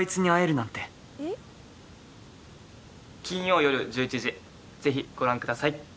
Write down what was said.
金曜よる１１時ぜひご覧ください。